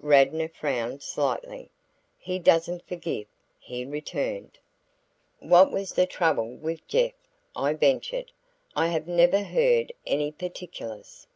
Radnor frowned slightly. "He doesn't forgive," he returned. "What was the trouble with Jeff?" I ventured. "I have never heard any particulars."